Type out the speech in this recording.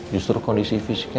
justru kondisi fisiknya